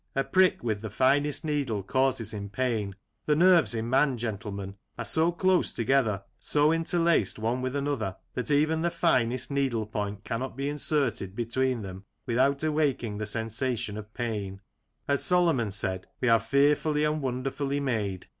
A prick with the finest needle causes him pain. The nerves in man, gentlemen, are so close together, so interlaced one with another, that even the finest needle point cannot be inserted between them without awaking the sensation of pain. As Solomon said :" We are fearfully and wonderfully made."